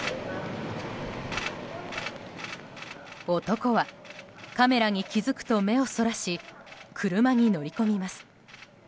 男はカメラに気づくと目をそらし車に乗り込みます。